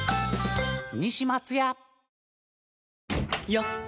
よっ！